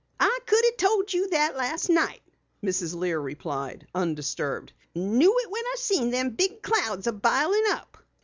"I could have told you that last night," Mrs. Lear replied, undisturbed. "Knew it when I seen them big clouds bilin' up."